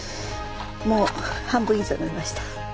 もう半分以上飲みました。